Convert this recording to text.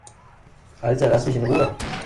Alter, lass mich in Ruhe!